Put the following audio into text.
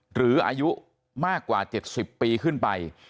อายุมากกว่า๗๐ปีขึ้นไป